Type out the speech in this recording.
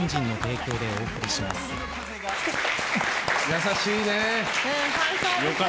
優しいね。